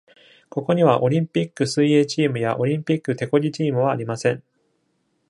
ここには、オリンピック水泳チームやオリンピック手漕ぎチームはありません。